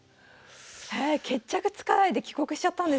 へえ決着つかないで帰国しちゃったんですね。